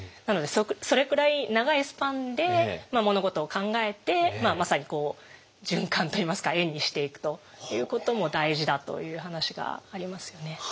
なのでそれくらい長いスパンで物事を考えてまさにこう循環といいますか「円」にしていくということも大事だという話がありますよね。